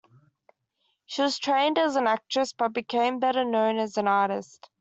She was trained as an actress, but became better known as an artist.